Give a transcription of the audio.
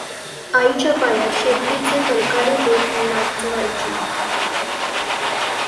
आईच्या पायांत शेपटीचे फलकारे देत नाचावयाची.